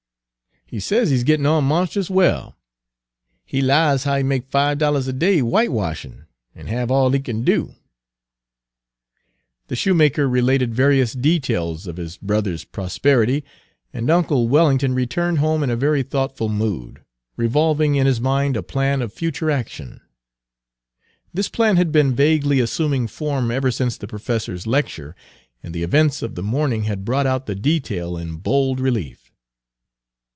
"He says he gittin' on monst'us well. He 'low ez how he make five dollars a day w'ite washin', an' have all he kin do." Page 220 The shoemaker related various details of his brother's prosperity, and uncle Wellington returned home in a very thoughtful mood, revolving in his mind a plan of future action. This plan had been vaguely assuming form ever since the professor's lecture, and the events of the morning had brought out the detail in bold relief.